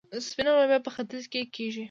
سپینه لوبیا په ختیځ کې کیږي.